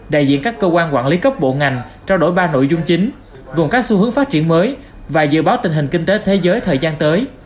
đại diện các cơ quan quản lý cấp bộ ngành trao đổi ba nội dung chính gồm các xu hướng phát triển mới và dự báo tình hình kinh tế thế giới thời gian tới